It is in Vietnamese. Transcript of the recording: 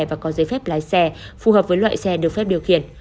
và có giấy phép lái xe phù hợp với loại xe được phép điều khiển